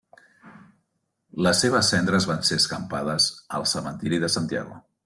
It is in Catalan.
Les seves cendres van ser escampades al cementiri de Santiago.